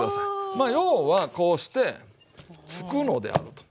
まあ要はこうしてつくのであると。